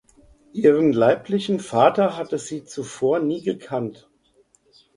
Ihren leiblichen Vater hatte sie zuvor nie gekannt.